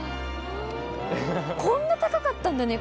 こんな高かったんだね